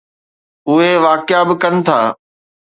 اهي واقعا به ڪن ٿا.